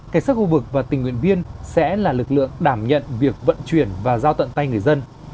cảnh sát khu vực và tình nguyện viên sẽ là lực lượng đảm nhận việc vận chuyển và giao tận tay người dân